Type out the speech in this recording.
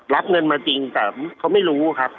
รับเงินมาจริงแต่เขาไม่รู้ครับ